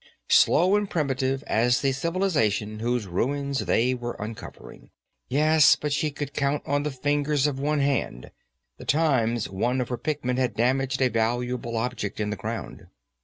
Slow and primitive as the civilization whose ruins they were uncovering, yes, but she could count on the fingers of one hand the times one of her pickmen had damaged a valuable object in the ground.